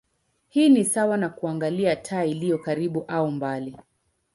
Hii ni sawa na kuangalia taa iliyo karibu au mbali.